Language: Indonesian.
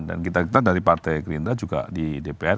dan kita dari partai gerindra juga di dpr